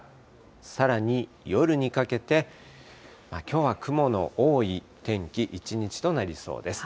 さらに夜にかけて、きょうは雲の多い天気、一日となりそうです。